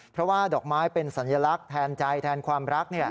เพราะว่าดอกไม้เป็นสัญลักษณ์แทนใจแทนความรัก